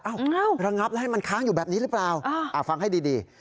อ้าวระงับอะไรมันค้างอยู่แบบนี้หรือเปล่าฟังให้ดี